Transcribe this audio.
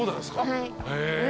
はい。